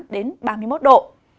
hai mươi tám đến ba mươi một độ